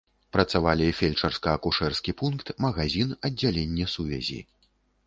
Працавалі фельчарска-акушэрскі пункт, магазін, аддзяленне сувязі.